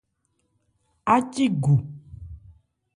Ácí gu.